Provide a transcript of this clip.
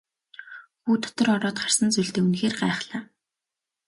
Хүү дотор ороод харсан зүйлдээ үнэхээр гайхлаа.